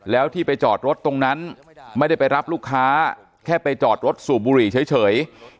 แล้วที่ไปจอดรถตรงนั้นไม่ได้ไปรับลูกค้าแค่ไปจอดรถสูบบุหรี่เฉย